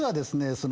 その。